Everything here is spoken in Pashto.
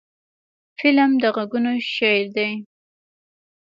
فلم د غږونو شعر دی